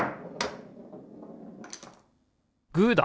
グーだ！